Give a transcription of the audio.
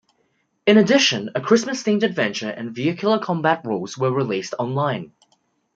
In addition, a Christmas themed adventure and vehicular combat rules were released online.